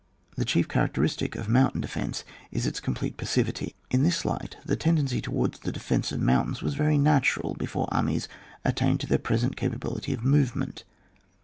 The chief characteristic of mountain defence is its complete passivity ; in this light the tendency towards the defence of moimtains was very natural before armies attained to their present capa bility of movement.